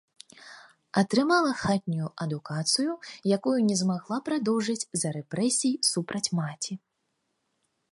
Атрымала хатнюю адукацыю, якую не змагла прадоўжыць з-за рэпрэсій супраць маці.